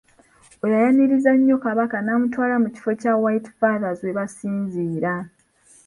Oyo yayaniriza nnyo Kabaka n'amutwalako mu kifo kya White Fathers we basinziira.